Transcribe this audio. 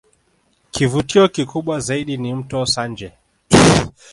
Kivutio kikubwa zaidi ni Mto Sanje